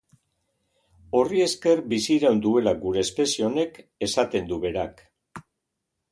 Horri esker biziraun duela gure espezie honek, esaten du berak.